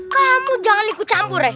kamu jangan ikut campur ya